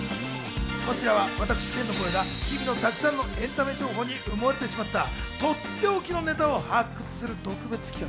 こちらは私、天の声が日々のたくさんのエンタメ情報に埋もれてしまったとっておきのネタを発掘する特別企画。